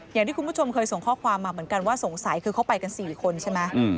อย่างที่คุณผู้ชมเคยส่งข้อความมาเหมือนกันว่าสงสัยคือเขาไปกัน๔คนใช่ไหม